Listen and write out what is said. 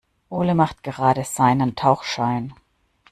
Ole macht gerade seinen Tauchschein.